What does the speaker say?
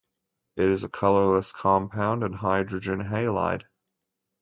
It is a colorless compound and a hydrogen halide.